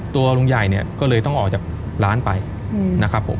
ตัวลุงใหญ่เนี่ยก็เลยต้องออกจากร้านไปนะครับผม